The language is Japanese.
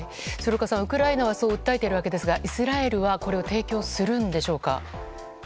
鶴岡さん、ウクライナはそう訴えているわけですがイスラエルはこれを提供するんでしょうか？